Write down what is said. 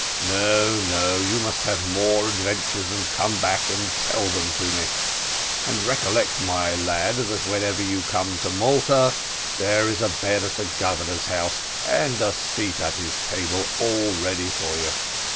No, no; you must have more adventures, and come back and tell them to me. And recollect, my lad, that whenever you come to Malta, there is a bed at the Governor's house, and a seat at his table, always ready for you."